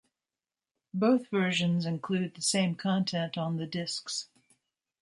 Both versions include the same content on the discs.